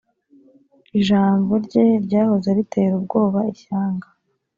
ijambo rye ryahoze ritera ubwoba ishyanga